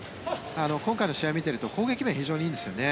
今回の試合を見てると攻撃面が非常にいいんですよね。